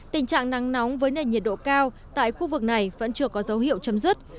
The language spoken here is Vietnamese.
tình trạng nắng nóng với nền nhiệt độ cao tại khu vực này vẫn chưa có dấu hiệu chấm dứt